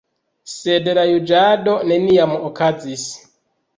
Sed la juĝado neniam okazis.